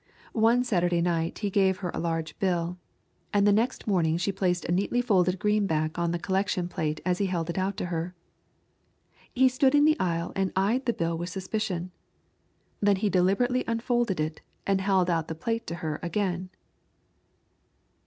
One Saturday night he gave her a large bill, and the next morning she placed a neatly folded green back on the collection plate as he held it out to her. He stood in the aisle and eyed the bill with suspicion. Then he deliberately unfolded it, and held out the plate to her again.